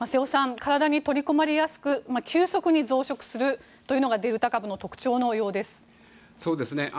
体に取り込まれやすく急速に増殖するというのがデルタ株の特徴のようです。